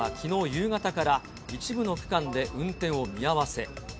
夕方から一部の区間で運転を見合わせ。